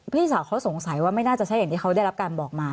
พี่สาวเขาสงสัยว่าไม่น่าจะใช่อย่างที่เขาได้รับการบอกมา